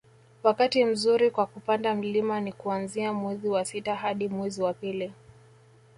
wakati mzuri kwa kupanda mlima ni kuanzia mwezi wa sita hadi mwezi wa pili